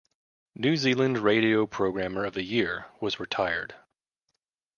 'New Zealand Radio Programmer of the Year' was retired.